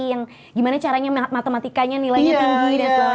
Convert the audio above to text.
yang gimana caranya matematikanya nilainya tinggi